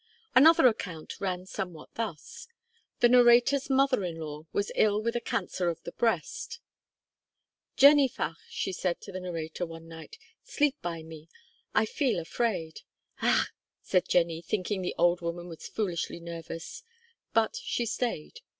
Another account ran somewhat thus: The narrator's mother in law was ill with a cancer of the breast. 'Jenny fach,' she said to the narrator one night, 'sleep by me I feel afraid.' 'Hach!' said Jenny, thinking the old woman was foolishly nervous; but she stayed.